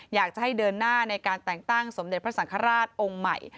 อยากจะให้เดินหน้าในการแต่งตั้งสมเด็จพระสังฆราชองค์ใหม่